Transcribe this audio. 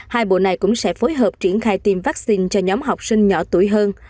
hai bộ này cũng sẽ phối hợp triển khai tiêm vaccine cho nhóm học sinh nhỏ tuổi hơn